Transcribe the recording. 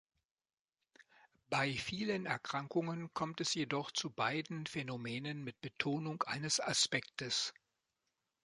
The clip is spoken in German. Bei vielen Erkrankungen kommt es jedoch zu beiden Phänomenen mit Betonung eines Aspektes.